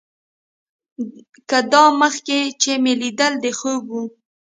که دا مخکې چې مې ليدل دا خوب و.